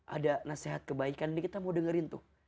ada nasihat kebaikan ini kita mau dengerin tuh